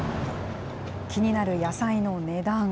気になる野菜の値段。